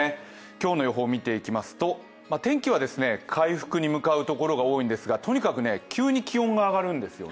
今日の予報を見ていきますと天気は回復に向かうところが多いんですが、とにかく急に気温が上がるんです。